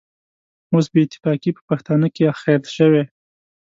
اوس بې اتفاقي په پښتانه کې اخښل شوې.